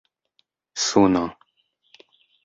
suno